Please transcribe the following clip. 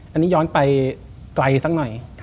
อันนี้ย้อนไปไกลสักหน่อย